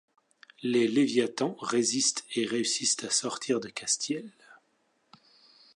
Les Léviathans résistent et réussissent à sortir de Castiel.